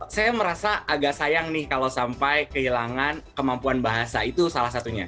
saya merasa agak sayang nih kalau sampai kehilangan kemampuan bahasa itu salah satunya